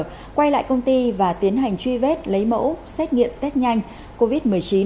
quay lại công ty và tiến hành truy vết lấy mẫu xét nghiệm test nhanh covid một mươi chín